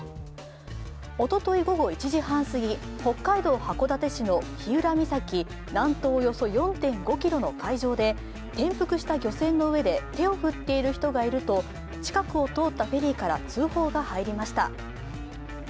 おととい午後１時半すぎ、北海道函館市の日浦岬南東およそ４．５ｋｍの海上で転覆した漁船の上で手を振っている人がいると近くを通ったフェリーから通報が入りました。